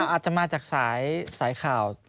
อาจจะมาจากสายข่าว